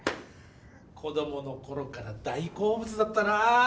子供のころから大好物だったな。